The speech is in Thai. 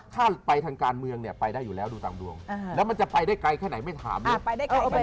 ถ้าไปทางการเมืองเนี่ยไปได้อยู่แล้วดูตามดวงแล้วมันจะไปได้ไกลแค่ไหนไม่ถามเลย